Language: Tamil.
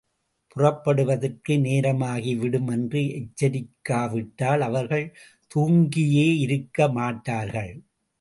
புறப்படுவதற்கு நேரமாகிவிடும் என்று எச்சரிக்காவிட்டால் அவர்கள் தூங்கியேயிருக்க மாட்டார்கள்.